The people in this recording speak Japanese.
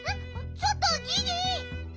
ちょっとギギ！